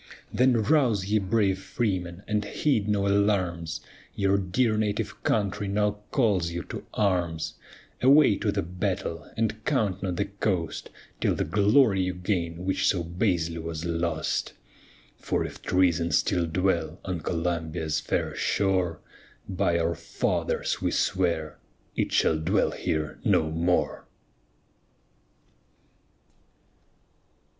Then rouse ye brave freemen, and heed no alarms, Your dear native country now calls you to arms, Away to the battle, and count not the cost Till the glory you gain, which so basely was lost. Chorus For if treason still dwell on Columbia's fair shore, By our fathers we swear it shall dwell here no more.